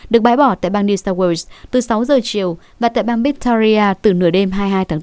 được bãi bỏ tại bang new south wales từ sáu giờ chiều và tại bang bitaria từ nửa đêm hai mươi hai tháng bốn